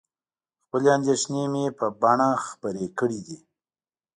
خپلې اندېښنې مې په بڼه خپرې کړي دي.